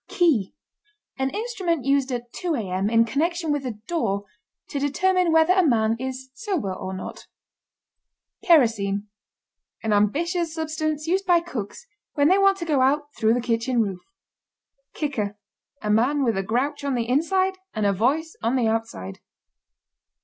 KEY. An instrument used at 2 A.M. in connection with a door to determine whether a man is sober or not. KEROSENE. An ambitious substance used by cooks when they want to go out through the kitchen roof. KICKER. A man with a grouch on the inside and a voice on the outside.